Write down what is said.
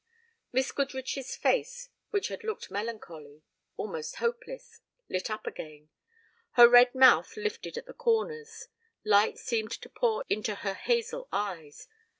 Miss Goodrich's face, which had looked melancholy, almost hopeless, lit up again. Her red mouth lifted at the corners, light seemed to pour into her hazel eyes.